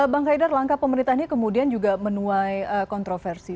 bang haidar langkah pemerintah ini kemudian juga menuai kontroversi